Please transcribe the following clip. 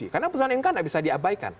karena putusan mk nggak bisa diabaikan